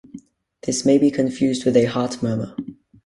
This may be confused with a heart murmur.